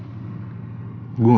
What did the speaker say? melawan semua orang